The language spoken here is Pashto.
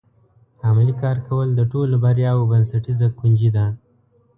عملي کار کول د ټولو بریاوو بنسټیزه کنجي ده.